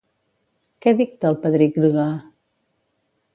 Què dicta el padrí Grga?